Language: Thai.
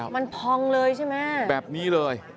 มันพองเลยใช่ไหมแบบนี้เลย